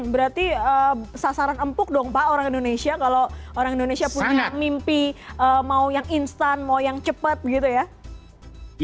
berarti sasaran empuk dong pak orang indonesia kalau orang indonesia punya mimpi mau yang instan mau yang cepat gitu ya